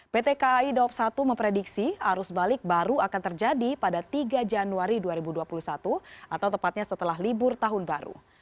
pt kai daup satu memprediksi arus balik baru akan terjadi pada tiga januari dua ribu dua puluh satu atau tepatnya setelah libur tahun baru